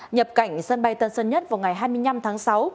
nhập cảnh sân bay tân sơn nhất vào ngày hai mươi năm tháng sáu